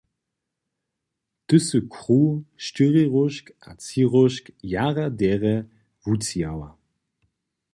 Ty sy kruh, štyriróžk a třiróžk jara derje wutřihała.